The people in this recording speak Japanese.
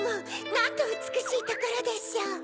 なんとうつくしいところでしょう。